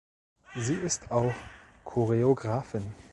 Sie ist auch Choreographin.